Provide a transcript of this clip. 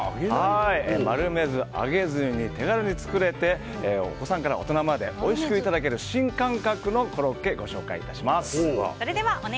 丸めず揚げずに手軽に作れてお子さんから大人までおいしくいただける新感覚のコロッケご紹介致します。